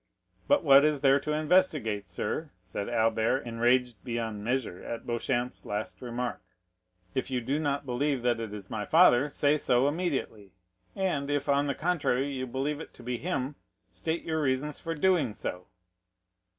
"But what is there to investigate, sir?" said Albert, enraged beyond measure at Beauchamp's last remark. "If you do not believe that it is my father, say so immediately; and if, on the contrary, you believe it to be him, state your reasons for doing so."